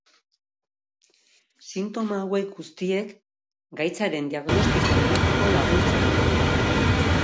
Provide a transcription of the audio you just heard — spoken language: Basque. Sintoma hauek guztiek gaitzaren diagnostikoa egiteko laguntzen dute.